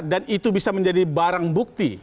dan itu bisa menjadi barang bukti